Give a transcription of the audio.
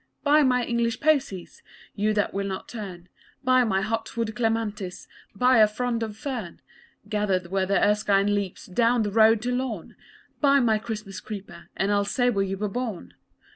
Buy my English posies! You that will not turn Buy my hot wood clematis. Buy a frond o' fern Gathered where the Erskine leaps Down the road to Lorne Buy my Christmas creeper And I'll say where you were born!